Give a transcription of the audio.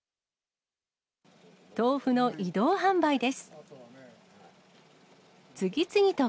豆腐の移動販売です。